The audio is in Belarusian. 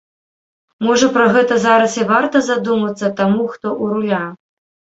Можа пра гэта зараз і варта задумацца таму, хто ў руля?